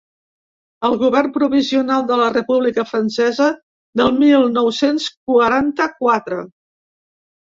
El govern provisional de la república francesa del mil nou-cents quaranta-quatre.